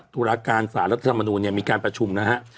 ธุรการศาสตร์และธรรมนูนเนี่ยมีการประชุมนะฮะ